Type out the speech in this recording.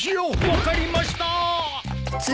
分かりました。